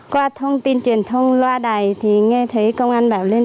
qua thông tin truyền thông loa đài thì nghe thấy công an bảo lên